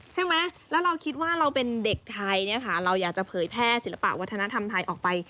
ใช่ไหมแล้วเราคิดว่าเราเป็นเด็กไทยเนี่ยค่ะเราอยากจะเผยแพร่ศิลปะวัฒนธรรมไทยออกไป